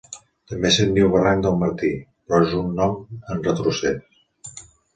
També se'n diu Barranc del Martí, però és un nom en retrocés.